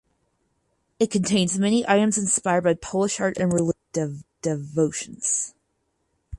It contains many items inspired by Polish art and religious devotions.